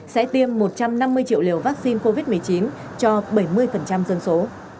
sẽ tiêm một trăm năm mươi triệu liều vaccine covid một mươi chín cho bảy mươi dân số